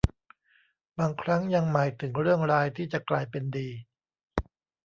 บางครั้งยังหมายถึงเรื่องร้ายที่จะกลายเป็นดี